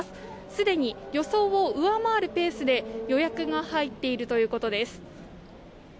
すでに予想を上回るペースで予約が入っているということです。